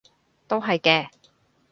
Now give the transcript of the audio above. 都係嘅